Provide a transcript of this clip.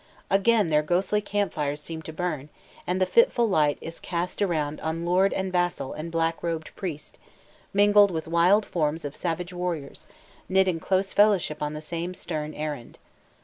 Again their ghostly camp fires seem to burn, and the fitful light is cast around on lord and vassal and black robed priest, mingled with wild forms of savage warriors, knit in close fellowship on the same stern errand.